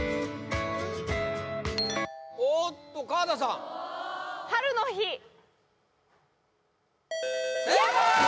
おっと川田さん「ハルノヒ」正解！